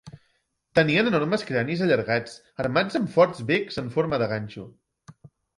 Tenien enormes cranis allargats, armats amb forts becs en forma de ganxo.